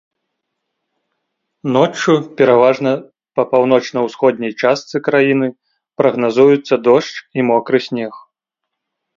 Ноччу пераважна па паўночна-ўсходняй частцы краіны прагназуюцца дождж і мокры снег.